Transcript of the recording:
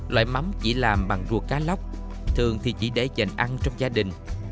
loại mắm chỉ làm bằng ruột cá lóc thường thì chỉ để dành ăn trong gia đình